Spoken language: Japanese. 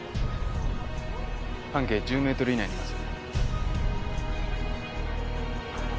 半径１０メートル以内にいます。